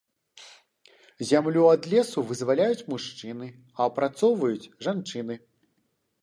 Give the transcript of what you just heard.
Зямлю ад лесу вызваляюць мужчыны, а апрацоўваюць жанчыны.